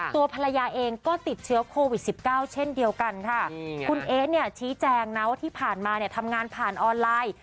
ที่ผ่านมาทำงานผ่านออนไลน์